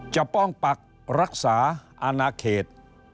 ป้องปักรักษาอนาเขต